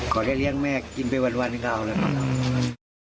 ก่อนได้เลี้ยงแม่กินเราจะจัดการใช้จ่ายเงินทุกสตางค์อย่างไรบ้าง